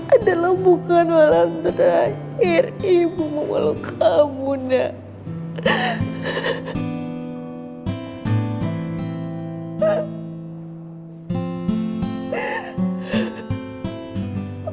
adalah bukan orang terakhir ibu memeluk kamu nek